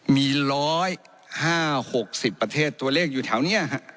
มีร้อยห้าหกสิบประเทศตัวเลขอยู่แถวนี้ฮะ